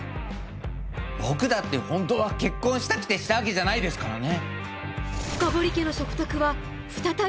僕だってホントは結婚したくてしたわけじゃないですからね。